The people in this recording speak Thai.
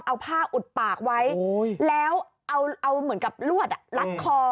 เอาผ้าอุดปากไว้แล้วเอาเหมือนกับลวดลัดคอ